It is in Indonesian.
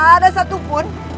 ada banyak gedung gedung tinggi